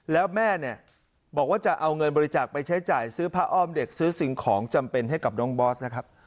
แล้วแม่เนี่ยบอกว่าจะเอาเงินบริจาคไปใช้จ่ายซื้อผ้าอ้อมเด็กซื้อสิ่งของจำเป็นให้กับน้องบอสนะครับ